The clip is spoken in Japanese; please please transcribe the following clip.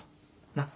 なっ。